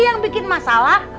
dia yang bikin masalah